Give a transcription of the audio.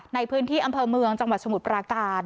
ในพื้นที่อำเภอเมืองจังหวัดสมุทรปราการ